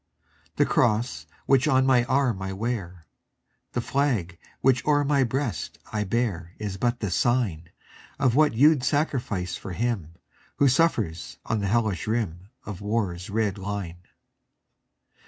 The cross which on my arm I wear, The flag which o'er my breast I bear, Is but the sign Of what you 'd sacrifice for him Who suffers on the hellish rim Of war's red line.